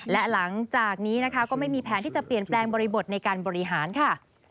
และหลังจากนี้นะคะก็ไม่มีแผนที่จะเปลี่ยนแปลงบริบทในการบริหารค่ะ